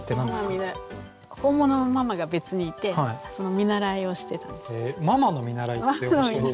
本物のママが別にいてその見習いをしてたんです。